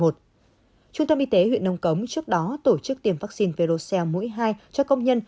trung tâm y tế huyện nông cống trước đó tổ chức tiêm vaccine vocia mũi hai cho công nhân